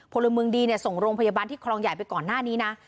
พลเมืองดีส่งโรงพยาบาลที่คลองใหญ่ไปก่อนหน้านี้นะ